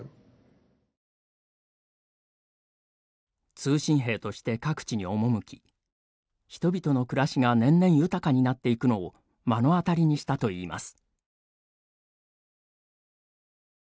通信兵として各地に赴き人々の暮らしが年々豊かになっていくのを目の当たりにしたといいます。